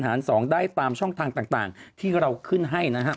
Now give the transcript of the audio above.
๒ได้ตามช่องทางต่างที่เราขึ้นให้นะครับ